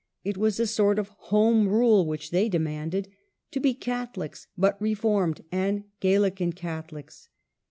It was a sort of Home Rule which they demanded, — to be Catholics, but reformed and Galilean Catholics.